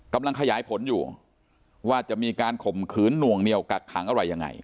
กำลังขยายผลอยู่ว่าจะมีการข่มขืนหน่วงเหนียวกักขังอะไรยังไง